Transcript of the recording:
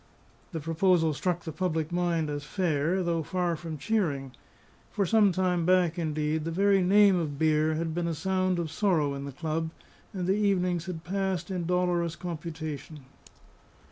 The proposal struck the public mind as fair, though far from cheering; for some time back, indeed, the very name of beer had been a sound of sorrow in the club, and the evenings had passed in dolorous computation.